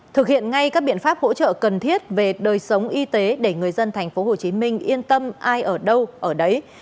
thực hiện ngay các biện pháp hỗ trợ cần thiết về đời sống y tế để người dân tp hcm yên tâm ai ở đâu ở đấy